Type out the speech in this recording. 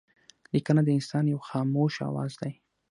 لیکنه د انسان یو خاموشه آواز دئ.